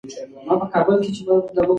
د ژوند هرې شېبې ته باید په پوره حوصله وګورو.